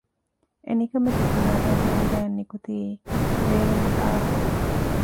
އެނިކަމެތި ފުރާނައިގެ އަނގައިން ނިކުތީ ވޭނުގެ އާހް އެއް